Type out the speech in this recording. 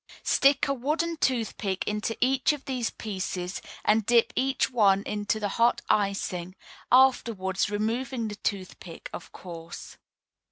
Stick a wooden toothpick into each of these pieces and dip each one into the hot icing, afterwards removing the toothpick, of course.